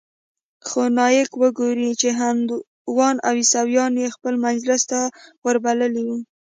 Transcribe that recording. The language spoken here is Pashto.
خو نايک وګوره چې هندوان او عيسويان يې خپل مجلس ته وربللي وو.